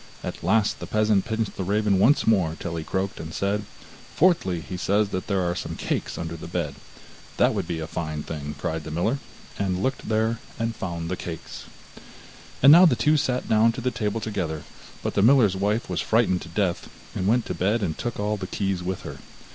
At last the peasant pinched the raven once more till he croaked, and said: 'Fourthly, he says that there are some cakes under the bed.' 'That would be a fine thing!' cried the miller, and looked there, and found the cakes. And now the two sat down to the table together, but the miller's wife was frightened to death, and went to bed and took all the keys with her.